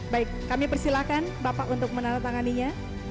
baik kami persilahkan bapak untuk menandatanganinya